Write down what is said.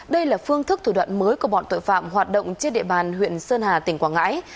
đây là phương thức thủ đoạn mới của bọn tội phạm hoạt động trên địa bàn huyện sơn hà tỉnh quảng ngãi